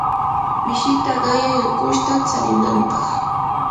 mishita qayay ukushta tsarinanpaq.